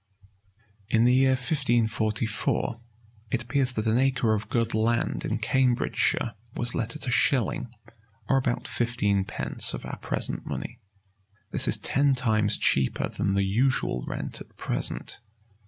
In the year 1544, it appears that an acre of good land in Cambridgeshire was let at a shilling, or about fifteen pence of our present money.[v] This is ten times cheaper than the usual rent at present.